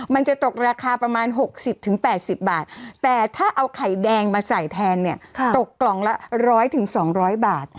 มันจะตกราคาประมาณ๖๐๘๐บาทแต่ถ้าเอาไข่แดงมาใส่แทนเนี่ยตกกล่องละ๑๐๐๒๐๐บาท